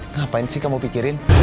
ngapain sih kamu pikirin